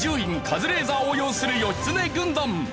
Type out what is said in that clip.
カズレーザーを擁する義経軍団。